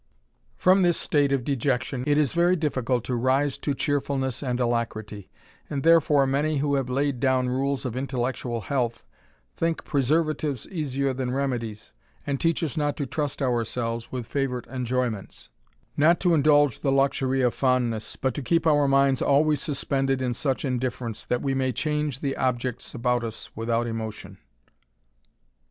From this state of dejection it is very difficult to rise to cheerfulness and alacrity; and therefore many who have laid down rules of intellectual health, think preservatives easier than remedies, and teach us not to trust ourselves with favourite enjoyments, not to indulge the luxury ^ THE RAMBLER. 67 fondness, but to keep our minds always suspended in such indifference, that we may change the objects about us without emotion.